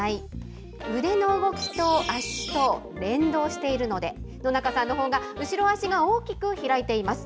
腕の動きと足と連動しているので、野中さんのほうが後ろ足が大きく開いています。